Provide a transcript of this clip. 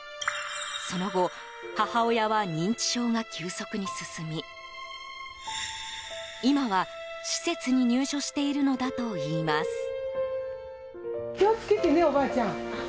その後、母親は認知症が急速に進み今は施設に入所しているのだといいます。